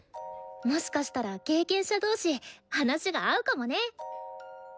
もしかしたら経験者同士話が合うかもね。